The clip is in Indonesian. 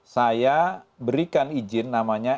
saya berikan izin namanya